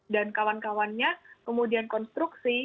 dan kawan kawannya kemudian konstruksi